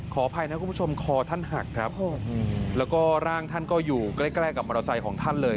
ขออภัยนะคุณผู้ชมคอท่านหักครับแล้วก็ร่างท่านก็อยู่ใกล้ใกล้กับมอเตอร์ไซค์ของท่านเลย